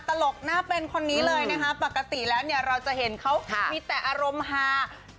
ตลกหน้าเป็นคนนี้เลยนะคะปกติแล้วเนี่ยเราจะเห็นเขามีแต่อารมณ์ฮา